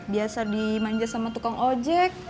biasa dimanja sama tukang ojek